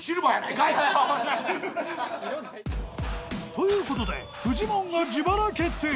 ［ということでフジモンが自腹決定］